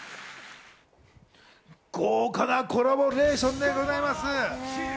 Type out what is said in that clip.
豪華なコラボレーションでございます。